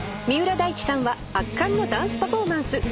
三浦大知さんは圧巻のダンスパフォーマンス。